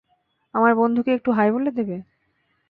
আমার বন্ধুকে একটু হাই বলে দেবে?